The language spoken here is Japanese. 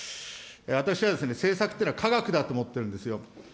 私は政策というのは、科学だと思ってるんですよ。